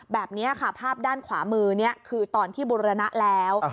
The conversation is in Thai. แบบนี้ค่ะภาพด้านขวามือนี้คือตอนที่บุรณะแล้ว